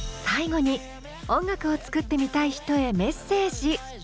最後に音楽を作ってみたい人へメッセージ。